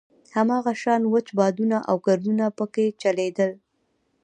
هماغه شان وچ بادونه او ګردونه په کې چلېدل.